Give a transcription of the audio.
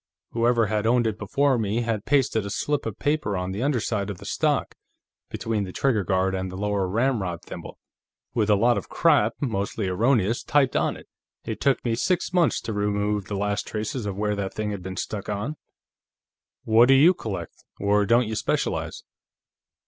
Whoever had owned it before me had pasted a slip of paper on the underside of the stock, between the trigger guard and the lower ramrod thimble, with a lot of crap, mostly erroneous, typed on it. It took me six months to remove the last traces of where that thing had been stuck on." "What do you collect, or don't you specialize?"